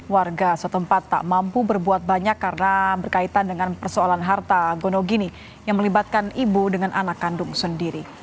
warga setempat tak mampu berbuat banyak karena berkaitan dengan persoalan harta gonogini yang melibatkan ibu dengan anak kandung sendiri